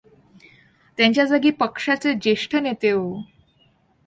त्यांच्याजागी पक्षाचे ज्येष्ठ नेते ओ.